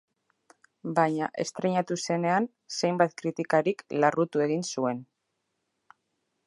Baina, estreinatu zenean, zenbait kritikarik larrutu egin zuen.